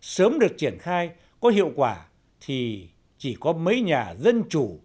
sớm được triển khai có hiệu quả thì chỉ có mấy nhà dân chủ